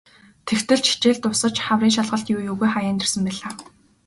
Тэгтэл ч хичээл дуусаж хаврын шалгалт юу юугүй хаяанд ирсэн байлаа.